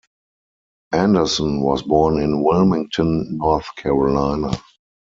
Anderson was born in Wilmington, North Carolina.